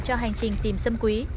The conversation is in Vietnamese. cho hành trình tìm sâm quý